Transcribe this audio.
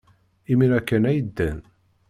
Imir-a kan ay ddan.